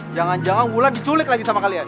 jangan jangan wulan diculik lagi sama kalian